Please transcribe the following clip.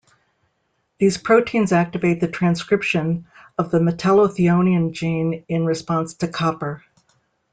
These proteins activate the transcription of the metallothionein gene in response to copper.